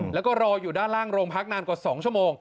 แล้วก็รออยู่ด้านล่างโรงพักนานกว่า๒ชั่วโมง